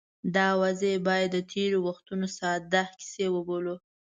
دا اوازې باید د تېرو وختونو ساده کیسه وبولو.